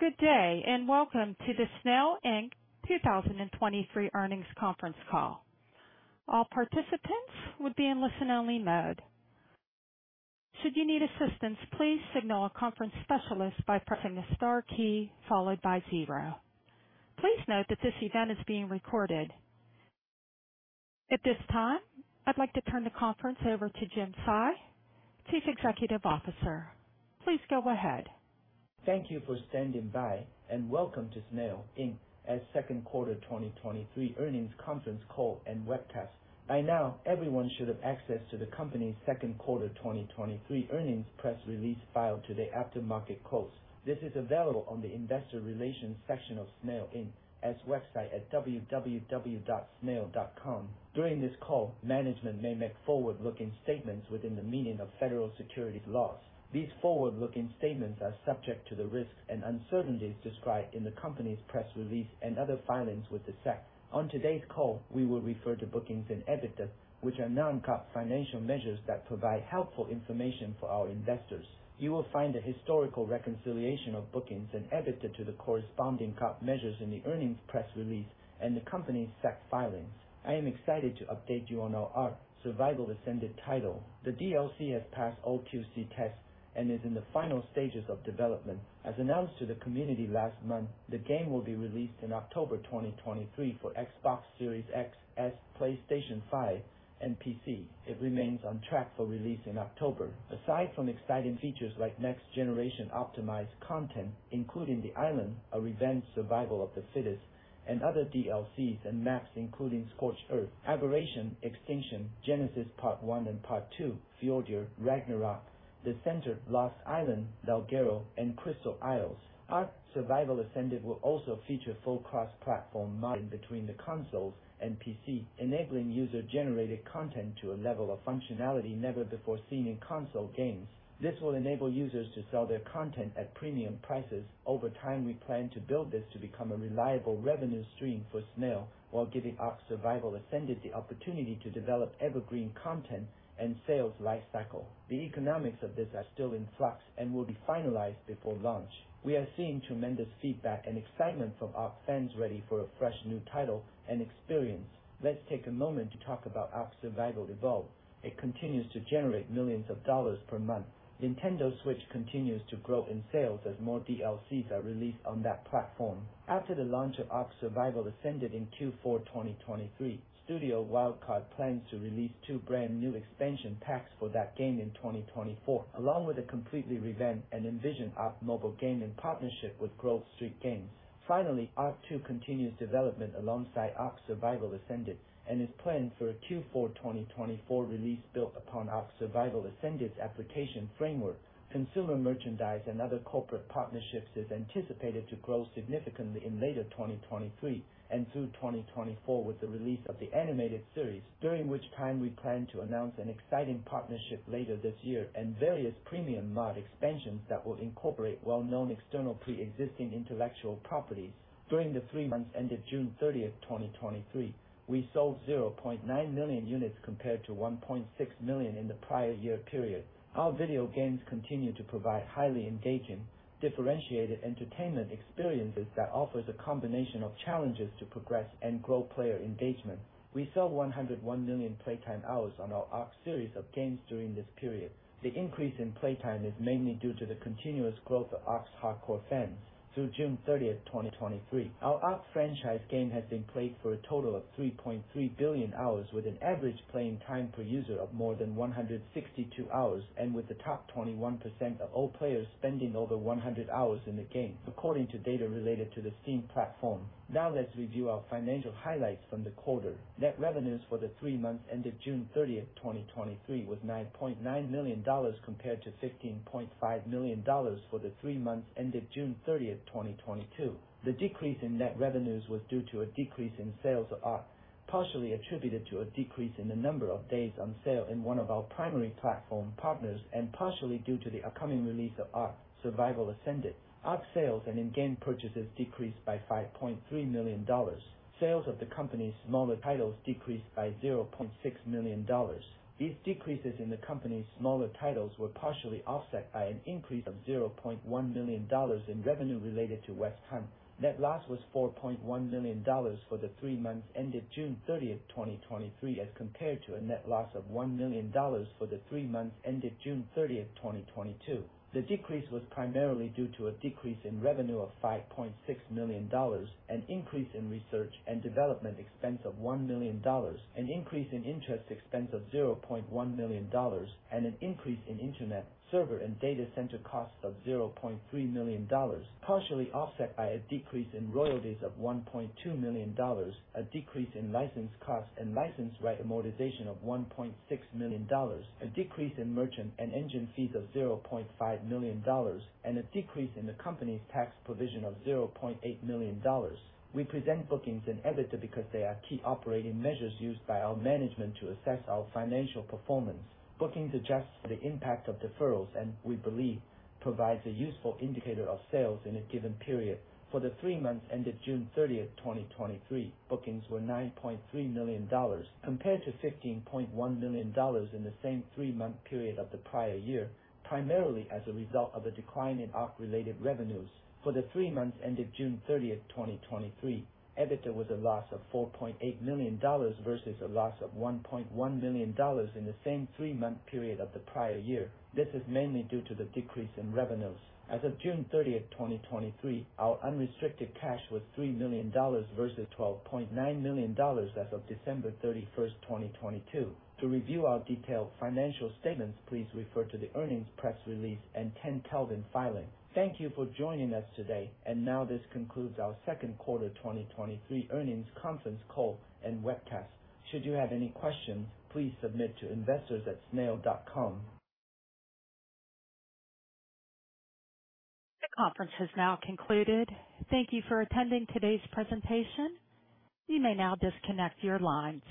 Good day, and welcome to the Snail, Inc. 2023 earnings conference call. All participants will be in listen-only mode. Should you need assistance, please signal a conference specialist by pressing the star key followed by zero. Please note that this event is being recorded. At this time, I'd like to turn the conference over to Jim Tsai, Chief Executive Officer. Please go ahead. Thank you for standing by, and welcome to Snail, Inc.'s second quarter 2023 earnings conference call and webcast. By now, everyone should have access to the company's second quarter 2023 earnings press release filed to the after-market close. This is available on the investor relations section of Snail, Inc.'s website at www.snail.com. During this call, management may make forward-looking statements within the meaning of federal securities laws. These forward-looking statements are subject to the risks and uncertainties described in the company's press release and other filings with the SEC. On today's call, we will refer to bookings and EBITDA, which are non-GAAP financial measures that provide helpful information for our investors. You will find a historical reconciliation of bookings and EBITDA to the corresponding GAAP measures in the earnings press release and the company's SEC filings. I am excited to update you on our ARK: Survival Ascended title. The DLC has passed all QC tests and is in the final stages of development. As announced to the community last month, the game will be released in October 2023 for Xbox Series X, S, PlayStation 5, and PC. It remains on track for release in October. Aside from exciting features like next generation optimized content, including The Island, a revamped Survival of the Fittest, and other DLCs and maps, including Scorched Earth, Aberration, Extinction, Genesis Part 1 and Part 2, Fjordur, Ragnarok, The Center, Lost Island, Valguero, and Crystal Isles. ARK: Survival Ascended will also feature full cross-platform modding between the consoles and PC, enabling user-generated content to a level of functionality never before seen in console games. This will enable users to sell their content at premium prices. Over time, we plan to build this to become a reliable revenue stream for Snail while giving ARK: Survival Ascended the opportunity to develop evergreen content and sales lifecycle. The economics of this are still in flux and will be finalized before launch. We are seeing tremendous feedback and excitement from ARK fans ready for a fresh new title and experience. Let's take a moment to talk about ARK: Survival Evolved. It continues to generate millions of dollars per month. Nintendo Switch continues to grow in sales as more DLCs are released on that platform. After the launch of ARK: Survival Ascended in Q4 2023, Studio Wildcard plans to release two brand new expansion packs for that game in 2024, along with a completely revamped and envisioned ARK mobile game in partnership with Grove Street Games. Finally, ARK 2 continues development alongside ARK: Survival Ascended and is planned for a Q4 2024 release built upon ARK: Survival Ascended's application framework. Consumer merchandise and other corporate partnerships is anticipated to grow significantly in later 2023 and through 2024 with the release of the animated series, during which time we plan to announce an exciting partnership later this year and various premium mod expansions that will incorporate well-known external pre-existing intellectual properties. During the three months ended June 30, 2023, we sold 0.9 million units compared to 1.6 million in the prior year period. Our video games continue to provide highly engaging, differentiated entertainment experiences that offers a combination of challenges to progress and grow player engagement. We sell 101 million playtime hours on our ARK series of games during this period. The increase in playtime is mainly due to the continuous growth of ARK's hardcore fans. Through June 30, 2023, our ARK franchise game has been played for a total of 3.3 billion hours, with an average playing time per user of more than 162 hours, and with the top 21% of all players spending over 100 hours in the game, according to data related to the Steam platform. Let's review our financial highlights from the quarter. Net revenues for the three months ended June 30, 2023, was $9.9 million compared to $15.5 million for the three months ended June 30, 2022. The decrease in net revenues was due to a decrease in sales of ARK, partially attributed to a decrease in the number of days on sale in one of our primary platform partners, and partially due to the upcoming release of ARK: Survival Ascended. ARK sales and in-game purchases decreased by $5.3 million. Sales of the company's smaller titles decreased by $0.6 million. These decreases in the company's smaller titles were partially offset by an increase of $0.1 million in revenue related to West Hunt. Net loss was $4.1 million for the three months ended June 30th, 2023, as compared to a net loss of $1 million for the three months ended June 30th, 2022. The decrease was primarily due to a decrease in revenue of $5.6 million, an increase in research and development expense of $1 million, an increase in interest expense of $0.1 million, and an increase in internet, server, and data center costs of $0.3 million, partially offset by a decrease in royalties of $1.2 million, a decrease in license costs and license right amortization of $1.6 million, a decrease in merchant and engine fees of $0.5 million, and a decrease in the company's tax provision of $0.8 million. We present Bookings and EBITDA because they are key operating measures used by our management to assess our financial performance. Bookings adjusts for the impact of deferrals and we believe provides a useful indicator of sales in a given period. For the three months ended June 30th, 2023, bookings were $9.3 million, compared to $15.1 million in the same three-month period of the prior year, primarily as a result of a decline in ARK-related revenues. For the three months ended June 30th, 2023, EBITDA was a loss of $4.8 million versus a loss of $1.1 million in the same three-month period of the prior year. This is mainly due to the decrease in revenues. As of June 30th, 2023, our unrestricted cash was $3 million versus $12.9 million as of December 31st, 2022. To review our detailed financial statements, please refer to the earnings press release and 10-K filing. Thank you for joining us today, now this concludes our second quarter 2023 earnings conference call and webcast. Should you have any questions, please submit to investors at snail.com. The conference has now concluded. Thank you for attending today's presentation. You may now disconnect your lines.